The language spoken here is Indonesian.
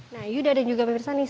nah yuda dan juga pemirsa nih